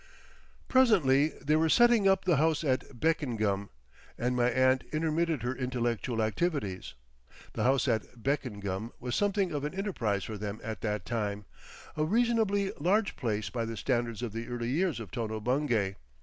Presently they were setting; up the house at Beckengham, and my aunt intermitted her intellectual activities. The house at Beckengham was something of an enterprise for them at that time, a reasonably large place by the standards of the early years of Tono Bungay.